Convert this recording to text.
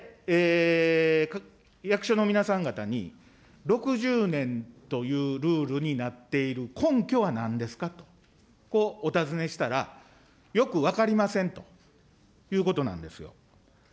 役所の皆さん方に、６０年というルールになっている根拠はなんですかと、こうお尋ねしたら、よく分かりませんということなんですよ。